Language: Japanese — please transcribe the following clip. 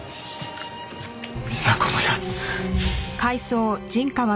美奈子の奴。